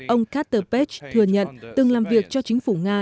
ông kastorpech thừa nhận từng làm việc cho chính phủ nga diễn ra một ngày